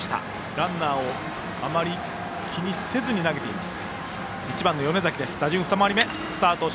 ランナーをあまり気にせずに投げています。